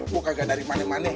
gua kagak dari mana mana